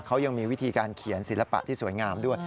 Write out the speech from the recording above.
เขายังมีวิธีการเขียนศิลปะที่สวยงามด้วย